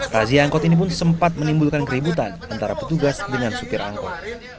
razia angkot ini pun sempat menimbulkan keributan antara petugas dengan supir angkot